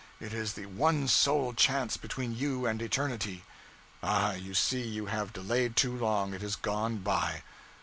it is the one sole chance between you and eternity! Ah, you see you have delayed too long it is gone by.